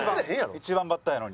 １番バッターやのに。